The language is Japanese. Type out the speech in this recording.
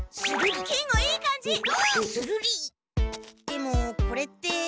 でもこれって。